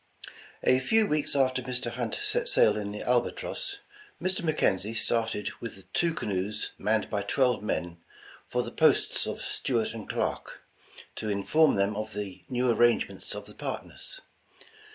A few weeks after Mr. Hunt set sail in the Albatross, Mr. McKenzie started with two canoes manned by twelve men, for the posts of Stuart and Clarke, to in form them of the new arrangements of the partners.